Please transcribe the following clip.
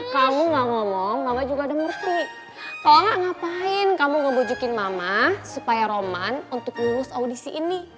kalau enggak ngapain kamu ngebujukin mama supaya roman untuk lulus audisi ini